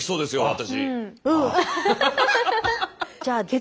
私。